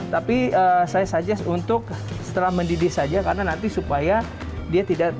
tapi saya saja untuk setelah mendidih saja karena nanti supaya dia tidak